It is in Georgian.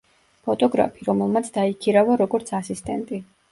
ფოტოგრაფი რომელმაც დაიქირავა როგორც ასისტენტი.